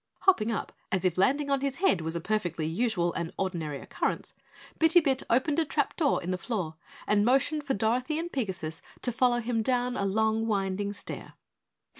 Hopping up, as if landing on his head was a perfectly usual and ordinary occurrence, Bitty Bit opened a trap door in the floor and motioned for Dorothy and Pigasus to follow him down a long winding stair.